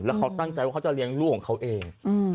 แล้วเขาตั้งใจว่าเขาจะเลี้ยงลูกของเขาเอง